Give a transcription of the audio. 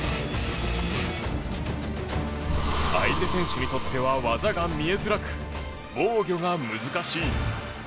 相手選手にとっては技が見えづらく防御が難しい。